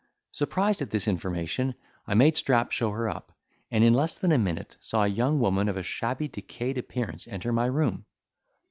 Surprised at this information, I made Strap show her up, and in less than a minute, saw a young woman of a shabby decayed appearance enter my room.